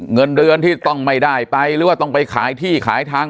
เงินเดือนที่ต้องไม่ได้ไปหรือว่าต้องไปขายที่ขายทาง